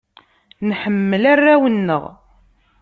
Nḥemmel arraw-nneɣ.